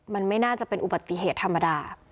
มันไม่น่าจะเป็นอุบัติเหตุธรรมดา